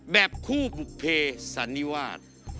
แบบคู่บุภเพสันนิวาส